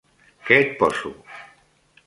Què et poso?